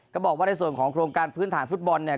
ก็บอกว่าในส่วนของโครงการพื้นฐานฟุตบอลเนี่ย